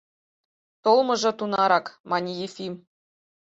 — Толмыжо... тунарак, — мане Ефим.